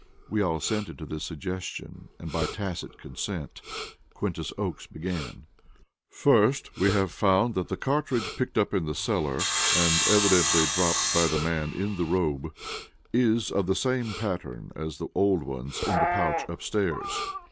We all assented to this suggestion, and by tacit consent Quintus Oakes began: "First, we have found that the cartridge picked up in the cellar, and evidently dropped by the man in the robe, is of the same pattern as the old ones in the pouch upstairs.